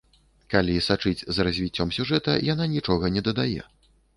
Калі сачыць за развіццём сюжэта, яна нічога не дадае.